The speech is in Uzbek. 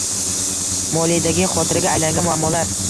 Moliyadagi xotiraga aylangan muammolar